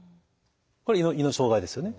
これ胃の障害ですよね。